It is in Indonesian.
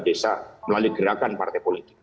desa melalui gerakan partai politik